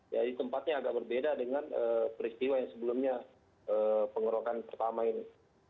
jadi tempatnya agak berbeda dengan peristiwa yang sebelumnya penggerokan pertama ini